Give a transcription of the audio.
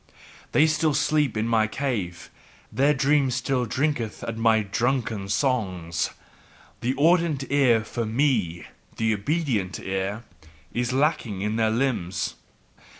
They still sleep in my cave; their dream still drinketh at my drunken songs. The audient ear for ME the OBEDIENT ear, is yet lacking in their limbs."